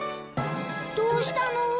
どうしたの？